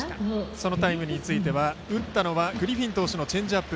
そのタイムリーについては打ったのはグリフィン投手のチェンジアップ。